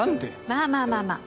まあまあまあまあ。